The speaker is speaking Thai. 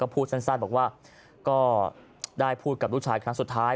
พูดสั้นบอกว่าก็ได้พูดกับลูกชายครั้งสุดท้าย